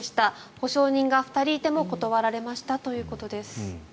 保証人が２人いても断られましたということです。